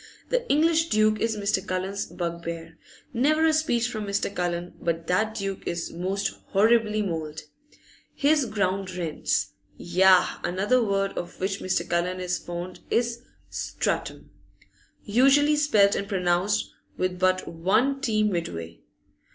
The English duke is Mr. Cullen's bugbear; never a speech from Mr. Cullen but that duke is most horribly mauled. His ground rents, yah! Another word of which Mr. Cullen is fond is 'strattum,' usually spelt and pronounced with but one t midway.